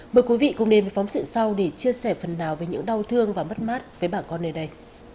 mời quý vị cùng đến với phóng sự sau để chia sẻ phần nào về những đau thương và mất mát với bà con nơi đây